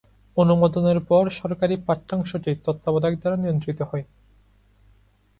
অনুমোদনের পর, সরকারি পাঠ্যাংশটি তত্ত্বাবধায়ক দ্বারা নিয়ন্ত্রিত হয়।